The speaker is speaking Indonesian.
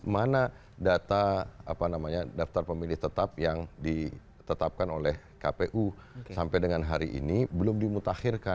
mana data daftar pemilih tetap yang ditetapkan oleh kpu sampai dengan hari ini belum dimutakhirkan